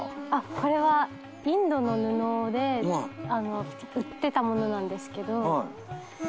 これはインドの布で売ってた物なんですけど。